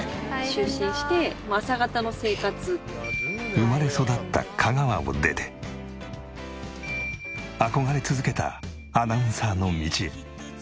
生まれ育った香川を出て憧れ続けたアナウンサーの道へ。